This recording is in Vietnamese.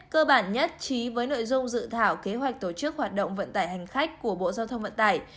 cơ bản nhất trí với nội dung dự thảo kế hoạch tổ chức hoạt động vận tải hành khách của bộ giao thông vận tải